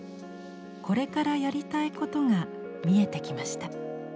これからやりたいことが見えてきました。